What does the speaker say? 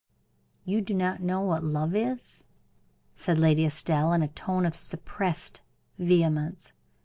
"You do not know what love is?" said Lady Estelle, in a tone of suppressed vehemence.